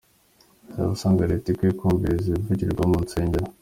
Hari abasanga Leta ikwiye kumviriza ibivugirwa mu nsengero.